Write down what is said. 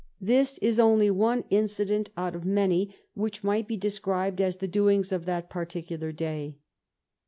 This is only one incident out of many which might be described as the doings of that particular day.